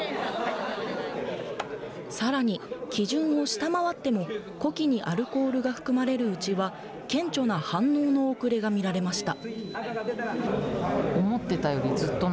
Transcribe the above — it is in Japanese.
さらに基準を下回っても呼気にアルコールが含まれるうちは顕著な反応の遅れが見られました。